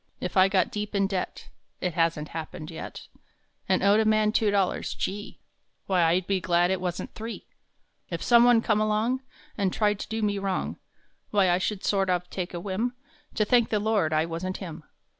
If I got deep in debt It hasn t happened yet And owed a man two dollars, Gee! Why I d be glad it wasn t three ! If some one come along, And tried to do me wrong, Why I should sort of take a whim To thank the Lord I wasn t him.